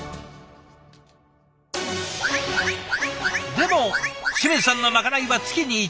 でも清水さんのまかないは月に一度。